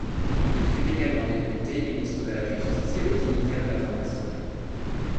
Il fut également député, ministre de la justice et haut dignitaire de la franc-maçonnerie.